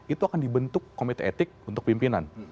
itu akan dibentuk komite etik untuk pimpinan